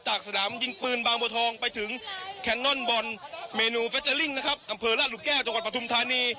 จากสถานามยิงปืนบางบทองไปถึงแคนนอนบอลเมนูเฟชเจอริ้งนะครับอำเภอละลูกแก้จังหวัดประทุมธานี